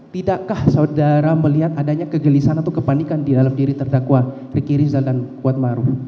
tidakkah saudara melihat adanya kegelisahan atau kepanikan di dalam diri terdakwa riki rizal dan kuat maruf